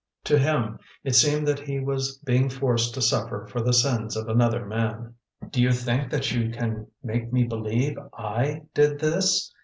To him, it seemed that he was being forced to suffer for the sins of another man. "Do you think that you can make me believe I did this?"